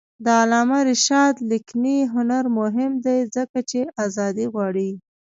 د علامه رشاد لیکنی هنر مهم دی ځکه چې آزادي غواړي.